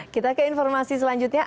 kita ke informasi selanjutnya